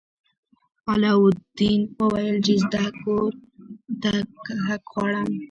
علاوالدین وویل چې زه کور ته تګ غواړم.